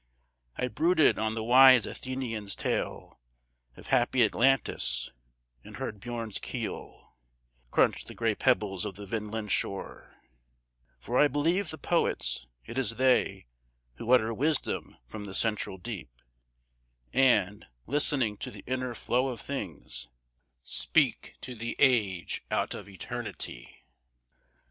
I brooded on the wise Athenian's tale Of happy Atlantis, and heard Björne's keel Crunch the gray pebbles of the Vinland shore: For I believed the poets; it is they Who utter wisdom from the central deep, And, listening to the inner flow of things, Speak to the age out of eternity.